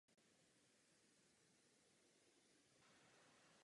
To je vítaný posun, ale přesto jsem, pane předsedo, proti.